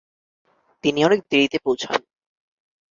তিনি অনেক দেরিতে পৌঁছান।